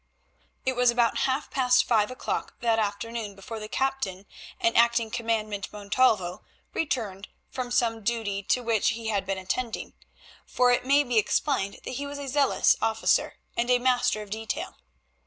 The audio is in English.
It was about half past five o'clock that afternoon before the Captain and Acting Commandant Montalvo returned from some duty to which he had been attending, for it may be explained that he was a zealous officer and a master of detail.